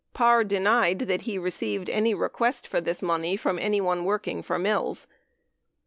Parr denied that he received any request for this money from anyone work ing for Mills.